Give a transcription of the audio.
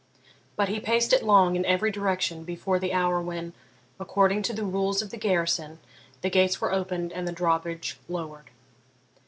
But he paced it long in every direction before the hour when, according to the rules of the garrison, the gates were opened and the draw bridge lowered.